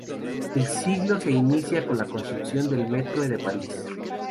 El siglo se inicia con la construcción del metro de París.